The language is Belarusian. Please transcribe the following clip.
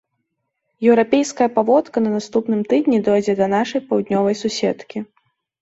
Еўрапейская паводка на наступным тыдні дойдзе да нашай паўднёвай суседкі.